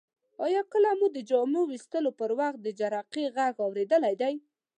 آیا کله مو د جامو ویستلو پر وخت د جرقې غږ اوریدلی دی؟